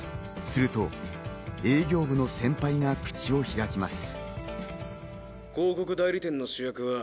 すると営業部の先輩が口を開きます。